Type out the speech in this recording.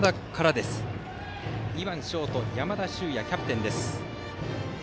２番ショート、山田脩也キャプテンからです。